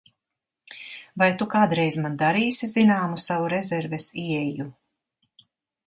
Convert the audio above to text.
Vai tu kādreiz man darīsi zināmu savu rezerves ieeju?